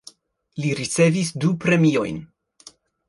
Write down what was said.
Li ricevis du premiojn.